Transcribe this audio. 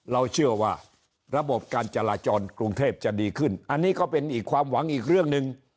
เราเชื่อว่าระบบการจราจรกรุงเทพจะดีขึ้นอันนี้ก็เป็นอีกความหวังอีกเรื่องหนึ่ง